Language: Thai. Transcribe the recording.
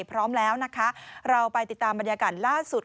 พร้อมแล้วนะคะเราไปติดตามบรรยากาศล่าสุด